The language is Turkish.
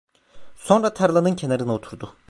Sonra tarlanın kenarına oturdu.